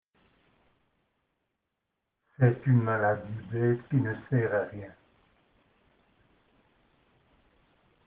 C’est une maladie bête qui ne sert à rien.